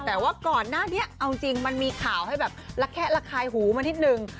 แต่ว่าก่อนหน้านี้เอาจริงมันมีข่าวให้แบบละแคะระคายหูมานิดนึง